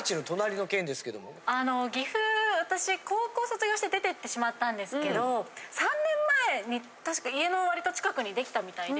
私高校卒業して出て行ってしまったんですけど３年前にたしか家のわりと近くにできたみたいで。